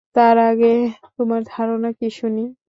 তার আগে তোমার ধারণা কি শুনি।